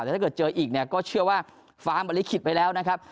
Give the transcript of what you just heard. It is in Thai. แต่ถ้าเกิดเจออีกเนี่ยก็เชื่อว่าฟ้ามบริขิตไปแล้วนะครับ